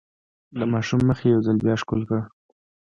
د ماشوم مخ يې يو ځل بيا ښکل کړ.